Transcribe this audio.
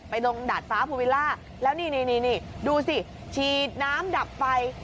ไปตรงดาดฟ้าภูวิลล่าแล้วนี่นี่นี่นี่นี่ดูสิฉีดน้ำดับไฟ